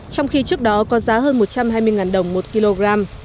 trong khi trước đó có giá hơn một trăm hai mươi đồng một kg